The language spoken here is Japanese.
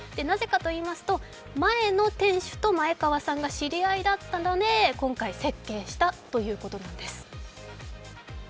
なぜかといいますと、前の店主と前川さんが知り合いだったので今回、設計したということなんです。